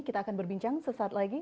kita akan berbincang sesaat lagi